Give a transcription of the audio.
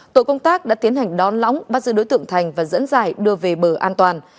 tội công tác đã tiến hành đón lõng bắt sự đối tượng thành và dẫn dài đưa về bờ an toàn